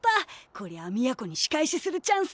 こりゃあ美弥子に仕返しするチャンスだ。